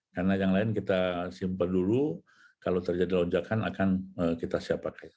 karena yang lain kita simpan dulu kalau terjadi lonjakan akan kita siap pakai